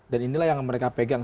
dan inilah yang mereka pegang